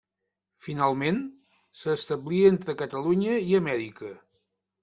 Finalment, s'establí entre Catalunya i Amèrica.